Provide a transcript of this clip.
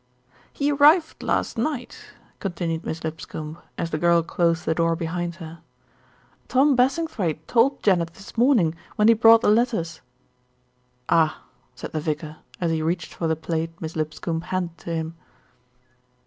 "He arrived last night," continued Miss Lipscombe, as the girl closed the door behind her. "Tom Bassing thwaighte told Janet this morning when he brought the letters." "Ah!" said the vicar, as he reached for the plate Miss Lipscombe handed to him.